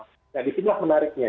nah disitulah menariknya